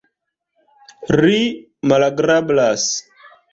Ri malagrablas.